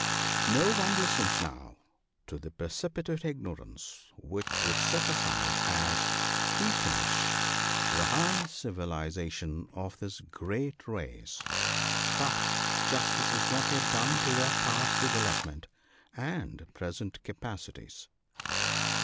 No one listens now to the preci pitate ignorance which would set aside as " heathenish " the high civilization of this great race ; but justice is not yet done to their past development and present capa cities.